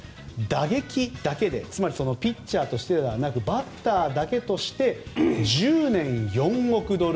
打撃だけでつまり、ピッチャーとしてでなくバッターだけとして１０年４億ドル